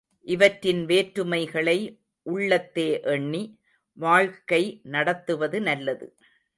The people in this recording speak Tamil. இவற்றின் வேற்றுமைகளை உள்ளத்தே எண்ணி, வாழ்க்கை நடத்துவது நல்லது.